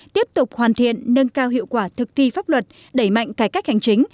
tiếp tục hoàn thiện nâng cao hiệu quả thực thi pháp luật đẩy mạnh cải cách hành chính